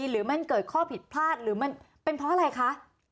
หรือมันเกิดข้อผิดพลาดหรือมันเป็นเพราะอะไรคะ